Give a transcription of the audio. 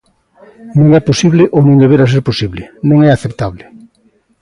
Non é posible ou non debera ser posible, non é aceptable.